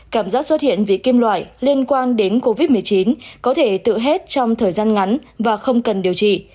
cảm giác xuất hiện vị kim loại liên quan đến covid một mươi chín có thể tự hết trong thời gian ngắn và không cần điều trị